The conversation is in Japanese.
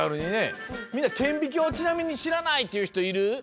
みんな顕微鏡ちなみにしらないっていうひといる？